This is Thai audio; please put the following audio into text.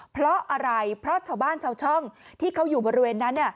เพราะอะไรเพราะชาวบ้านชาวช่องที่เขาอยู่บริเวณนั้น